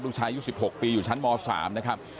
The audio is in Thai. หลวงชายยุทธิ์๑๖ปีอยู่ชั้นม๓นะครับ